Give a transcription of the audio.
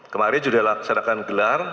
kemarin juga saya akan gelar